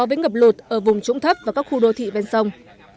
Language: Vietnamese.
với ngập lột ở vùng trũng thấp và các khu đô thị bên sông